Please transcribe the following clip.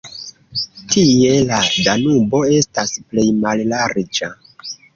Tie la Danubo estas plej mallarĝa.